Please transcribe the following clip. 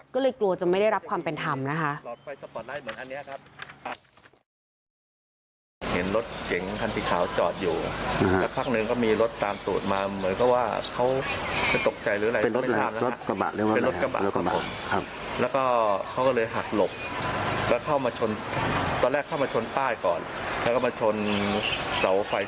ก็เลยกลัวจะไม่ได้รับความเป็นธรรมนะคะ